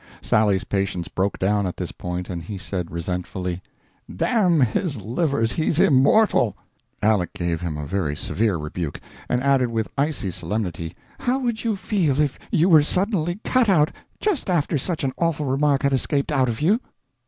Sally's patience broke down at this point, and he said, resentfully: "Damn his livers, he's immortal!" Aleck give him a very severe rebuke, and added with icy solemnity: "How would you feel if you were suddenly cut off just after such an awful remark had escaped out of you?"